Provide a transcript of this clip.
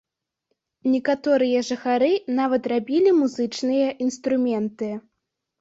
Некаторыя жыхары нават рабілі музычныя інструменты.